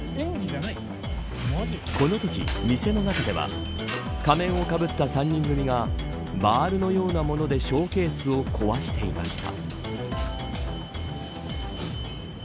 このとき店の中では仮面をかぶった３人組がバールのようなものでショーケースを壊していました。